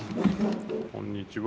こんにちは。